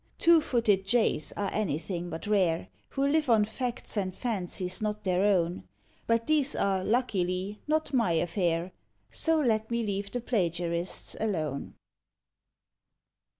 Two footed Jays are anything but rare, Who live on facts and fancies not their own; But these are, luckily, not my affair, So let me leave the plagiarists alone.